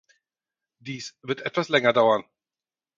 Dies wird etwas länger dauern.